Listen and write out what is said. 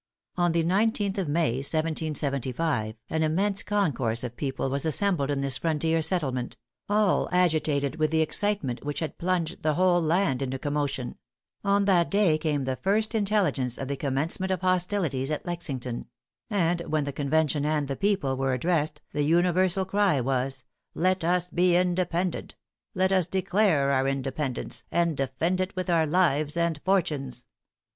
On the 19th May, 1775, an immense concourse of people was assembled in this frontier settlement all agitated with the excitement which had plunged the whole land into commotion; on that day came the first intelligence of the commencement of hostilities at Lexington; and when the convention and the people were addressed, the universal cry was, "Let us be independent! Let us declare our independence, and defend it with our lives and fortunes!"